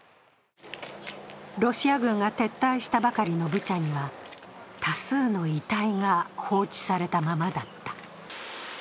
ロシア軍が撤退したばかりのブチャには多数の遺体が放置されたままだった。